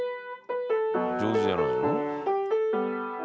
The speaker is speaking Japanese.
上手じゃないの？